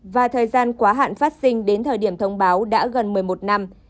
và thời gian quá hạn phát sinh đến thời điểm thông báo đã gần một mươi một năm